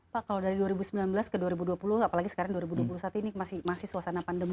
pak kalau dari dua ribu sembilan belas ke dua ribu dua puluh apalagi sekarang dua ribu dua puluh satu ini masih suasana pandemi